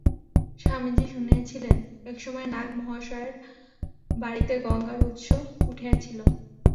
স্বামীজী শুনিয়াছিলেন, এক সময়ে নাগ-মহাশয়ের বাড়ীতে গঙ্গার উৎস উঠিয়াছিল।